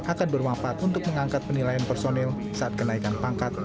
akan berwafat untuk mengangkat penilaian personel saat kenaikan pangkat